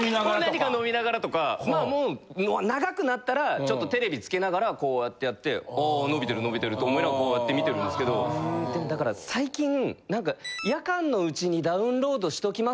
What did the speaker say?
何か飲みながらとかまあもう長くなったらちょっとテレビつけながらこうやってやってあ伸びてる伸びてると思いながらこうやって見てるんですけどでもだから最近何か夜間のうちにダウンロードしときますね